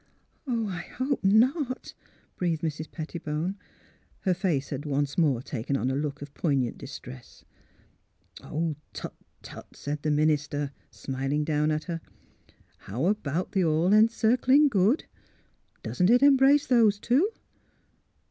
" Oh, I hope not! " breathed Mrs. Pettibone. 246 THE HEART OF PHILURA Her face had once more taken on a look of poignant distress. '' Tut tut! " said the minister, smiling down at her. '' How about the All Encircling Good? Doesn't it embrace those two?